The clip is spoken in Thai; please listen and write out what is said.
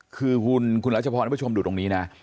คือคุณรัชพรท่านผู้ชมดูตรงนี้นะ